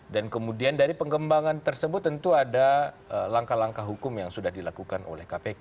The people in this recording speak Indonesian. dan kemudian dari pengembangan tersebut tentu ada langkah langkah hukum yang sudah dilakukan oleh kpk